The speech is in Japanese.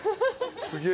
すげえ。